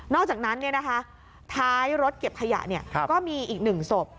อกจากนั้นท้ายรถเก็บขยะก็มีอีก๑ศพ